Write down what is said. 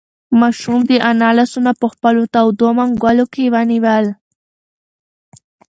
ماشوم د انا لاسونه په خپلو تودو منگولو کې ونیول.